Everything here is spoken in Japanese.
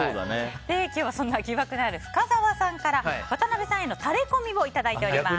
今日はそんな疑惑のある深澤さんから渡辺さんへのタレコミをいただいております。